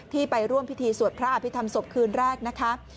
ไปร่วมพิธีสวดพระอภิษฐรรมศพคืนแรกนะคะ